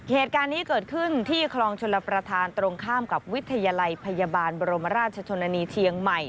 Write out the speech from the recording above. เหตุการณ์นี้เกิดขึ้นที่คลองชลประธานตรงข้ามกับวิทยาลัยพยาบาลบรมราชชนนานีเชียงใหม่